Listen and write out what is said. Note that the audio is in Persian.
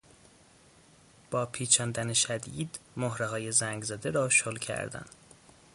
با پیچاندن شدید مهرههای زنگزده را شل کردن